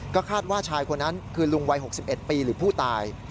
ก็คาดว่าชายคนนั้นคือลุงวัย๖๑ปีหรือผู้ตาย